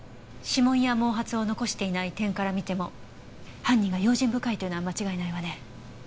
指紋や毛髪を残していない点から見ても犯人が用心深いというのは間違いないわね。